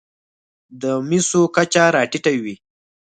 د مسو کچه راټېته وي.